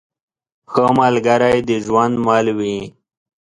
ښه ملګری د ژوند مل وي.